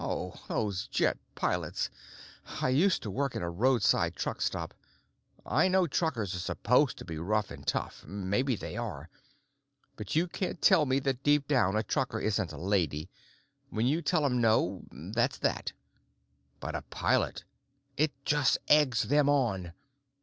Oh, those jet pilots! I used to work in a roadside truck stop. I know truckers are supposed to be rough and tough; maybe they are. But you can't tell me that deep down a trucker isn't a lady. When you tell them no, that's that. But a pilot—it just eggs them on.